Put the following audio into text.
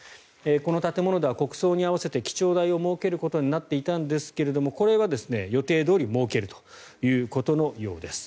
この建物では国葬に合わせて記帳台を設けることになっていたんですけれどもこれは予定どおり設けるということのようです。